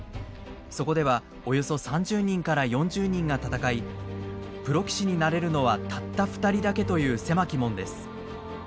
そこではおよそ３０人から４０人が戦いプロ棋士になれるのはたった２人だけという狭き門です。